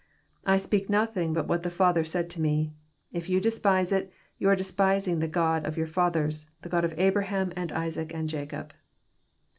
I speak nothing but what the Father said to Me. If you despise it, you are despising the God of your fathers, the God of Abraham, and Isaac, and Jacob.'